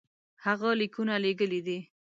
هغه لیکونه لېږلي دي.